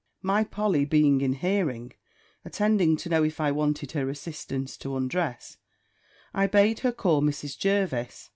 My Polly being in hearing, attending to know if I wanted her assistance to undress, I bade her call Mrs. Jervis.